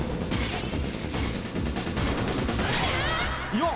よっ！